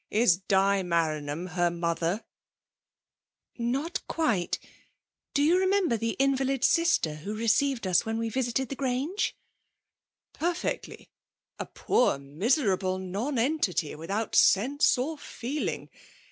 Is tX liaYanham her mother ?"''' Not quite^ Do you remember the invalid sister who received us when we visited the Graifge ?''Perfectly; a poor, miserable nonentity, wkhont sense or feeling.